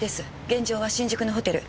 現場は新宿のホテル。